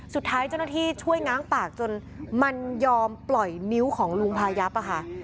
สุดท้ายเจ้าหน้าที่ช่วยง้างปากจนมันยอมปล่อยนิ้วของลุงพายับค่ะ